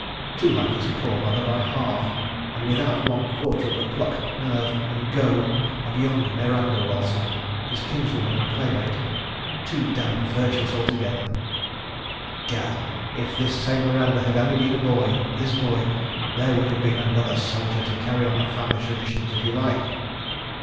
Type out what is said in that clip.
. Too like his poor mother by half—and without one quarter the pluck, nerve, and "go" of young Miranda Walsingham, his kinswoman and playmate. ... Too dam' virtuous altogether. ... Gad! If this same Miranda had only been a boy, his boy, there would have been another soldier to carry on the family traditions, if you like!